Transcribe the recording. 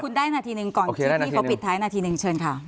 คุณได้นาทีหนึ่งก่อนคลิปนี้เขาปิดท้ายนาทีหนึ่งเชิญค่ะ